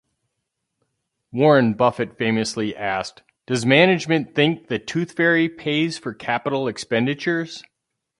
Warren Buffett famously asked: Does management think the tooth fairy pays for capital expenditures?